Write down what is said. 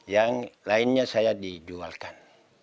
yang lainnya saya dijualkan